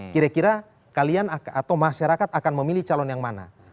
kira kira kalian atau masyarakat akan memilih calon yang mana